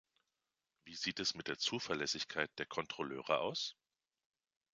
Wie sieht es mit der Zuverlässigkeit der Kontrolleure aus?